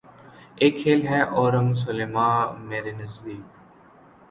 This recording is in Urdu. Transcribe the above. اک کھیل ہے اورنگ سلیماں مرے نزدیک